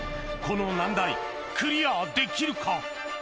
この難題クリアできるか？